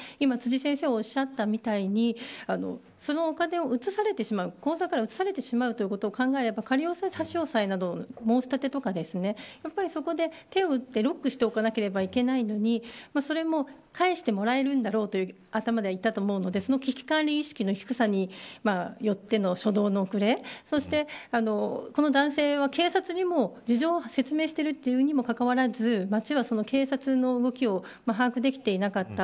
辻先生がおっしゃったみたいにそのお金を口座から移されてしまうということを考えれば仮差し押さえなど申し立てとか手を打ってロックしておかなければいけないのにそれを返してもらえるだろうという頭でいたと思うのでその危機管理意識の低さによっての初動の遅れそして、この男性は警察にも事情を説明しているにもかかわらず町はその警察の動きを把握できていなかった。